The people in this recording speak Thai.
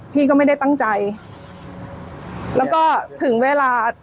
พี่ก็ไม่ได้ตั้งใจแล้วก็ถึงเวลา